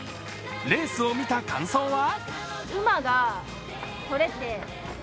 レースを見た感想は？